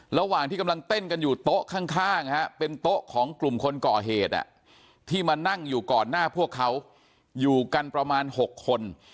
ระหว่างที่กำลังเต้นกันอยู่โต๊ะข้างเป็นโต๊ะของกลุ่มคนก่อเหตุที่มานั่งอยู่ก่อนหน้าพวกเขาอยู่กันประมาณ๖คน